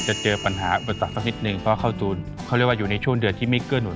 จะเจอปัญหาอุปสรรคสักนิดนึงเพราะข้าวตูนเขาเรียกว่าอยู่ในช่วงเดือนที่ไม่เกื้อหนุ